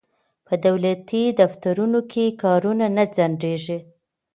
په دولتي دفترونو کې کارونه نه ځنډیږي.